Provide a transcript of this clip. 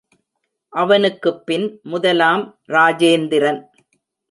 அவனுக்குப் பின், முதலாம் இராஜேந்திரன்.